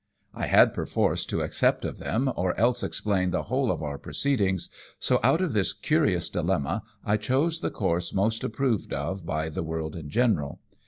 I had perforce to accept of them, or else explain the whole of our proceedings, so out of this curious dilemma I chose the course most approved of by the world in general.